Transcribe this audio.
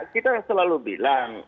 kita selalu bilang